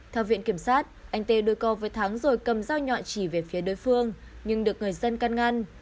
theo viện kiểm sát anh t đối co với thắng rồi cầm dao nhọn chỉ về phía đối phương nhưng được người dân căn ngăn